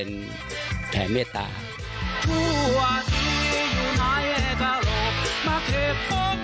โดนให้กับท่านเพลงของไทยก็โดนให้กับท่านเขก